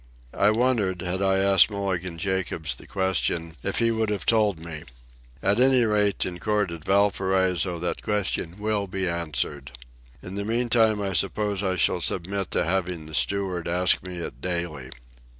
I wonder, had I asked Mulligan Jacobs the question, if he would have told me? At any rate, in court at Valparaiso that question will be answered. In the meantime I suppose I shall submit to having the steward ask me it daily.